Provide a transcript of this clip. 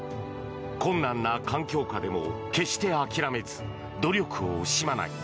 困難な環境下でも決して諦めず努力を惜しまない。